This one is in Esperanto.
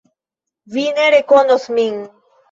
Vi ne rekonos min.